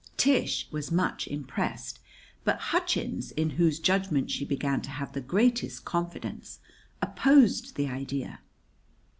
Tish was much impressed; but Hutchins, in whose judgment she began to have the greatest confidence, opposed the idea.